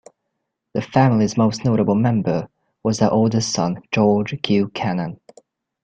The family's most notable member was their oldest son George Q. Cannon.